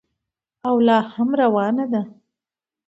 او لا هم روانه ده.